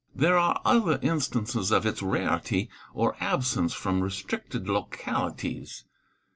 There are other instances of its rarity or absence from restricted localities.